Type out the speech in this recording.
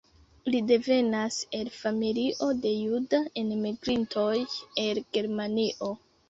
Li devenas el familio de juda enmigrintoj el Germanio.